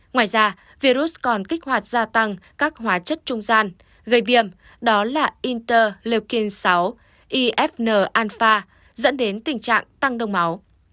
ngoài ra virus còn kích hoạt gia tăng các hóa chất trung gian gây viêm đó là inter leuking sáu ifn alpha dẫn đến tình trạng tăng đông máu